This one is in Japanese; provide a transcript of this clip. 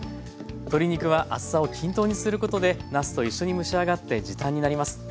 鶏肉は厚さを均等にすることでなすと一緒に蒸し上がって時短になります。